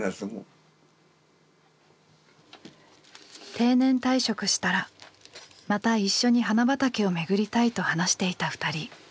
定年退職したらまた一緒に花畑をめぐりたいと話していた２人。